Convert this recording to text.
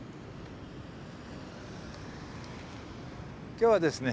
今日はですね